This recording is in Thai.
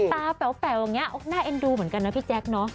แป๋วอย่างนี้น่าเอ็นดูเหมือนกันนะพี่แจ๊คเนอะ